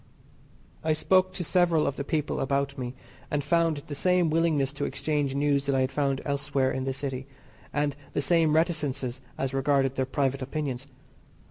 I spoke to several of the people about me, and found the same willingness to exchange news that I had found elsewhere in the City, and the same reticences as regarded their private opinions.